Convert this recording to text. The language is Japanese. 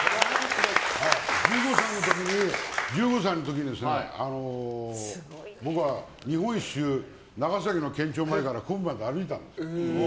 １５歳の時に僕は日本一周長崎の県庁前から歩いたんですよ。